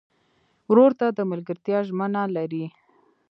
ورور ته د ملګرتیا ژمنه لرې.